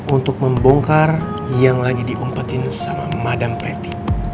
untuk membongkar yang lagi diumpatin sama madam preti